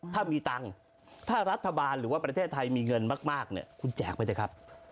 ถ้ามีตังค์ถ้ารัฐบาลหรือว่าประเทศไทยมีเงินมากเนี่ยคุณแจกไปเถอะครับ